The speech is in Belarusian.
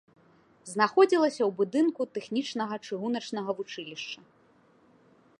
Знаходзілася ў будынку тэхнічнага чыгуначнага вучылішча.